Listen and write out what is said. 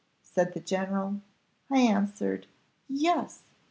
said the general. I answered, 'Yes.